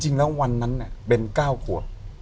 จริงแล้ววันนั้นเนี่ยเบนเก้าขัว